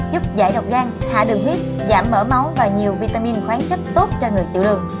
giúp giải độc gan hạ đường huyết giảm mở máu và nhiều vitamin khoáng chất tốt cho người tiểu đường